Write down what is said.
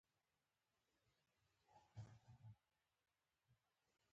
په خپل ځان باور درلودل د بریا لومړۍ راز دی.